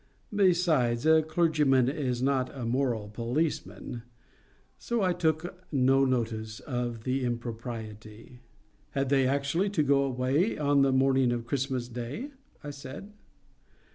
Besides, a clergyman is not a moral policeman. So I took no notice of the impropriety. "Had they actually to go away on the morning of Christmas Day?" I said.